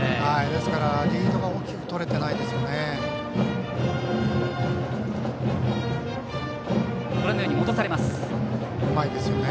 ですからリードを大きく取れていませんね。